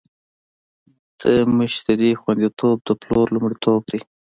د مشتری خوندیتوب د پلور لومړیتوب دی.